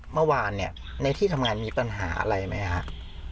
เมื่อวานเนี่ยในที่ทำงานมีปัญหาอะไรไหมครับ